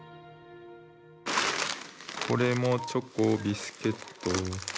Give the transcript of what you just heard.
これもチョコビスケット。